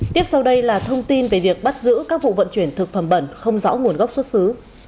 tiếp sau đây là thông tin về việc bắt giữ các vụ vận chuyển thực phẩm bẩn không rõ nguồn gốc xuất xứ